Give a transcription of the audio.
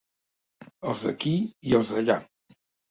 Els d'aquí i els d'allà.